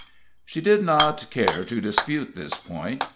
She did not care to dispute this point.